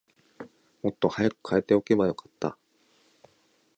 もっと早く替えておけばよかった